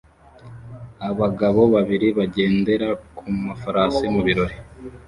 Abagabo babiri bagendera ku mafarashi mu birori